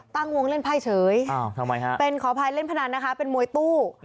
ตั้งวงเล่นภายเฉยเป็นขอภัยเล่นพนันนะคะเป็นมวยตู้